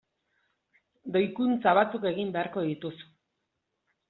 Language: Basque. Doikuntza batzuk egin beharko dituzu.